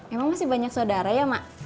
emang masih banyak saudara ya mak